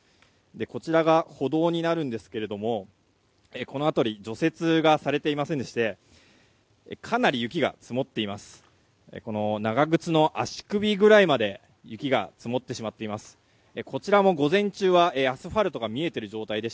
こちらが歩道になるんですがこの辺り除雪がされていませんでしてかなり雪が積もっています。